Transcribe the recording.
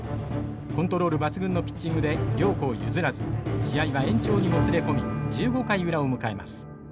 コントロール抜群のピッチングで両校譲らず試合は延長にもつれ込み１５回裏を迎えます。